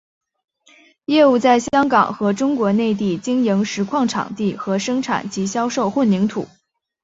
业务在香港和中国内地经营石矿场地和生产及销售混凝土。